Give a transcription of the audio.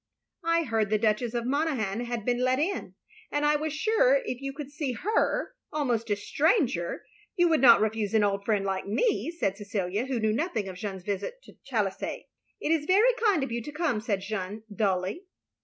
"I heard the Duchess of Monaghan had been let in, and I was sure if you could see her, almost a stranger, you would not refuse an old friend like me, " said Cecilia, who knew nothing of Jeanne's visit to Challonsleigh. " It is very kind of you to come, " said Jeaime, dully.